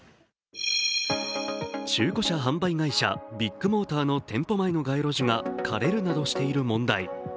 中古車販売会社ビッグモーターの前の街路樹が枯れるなどしている問題。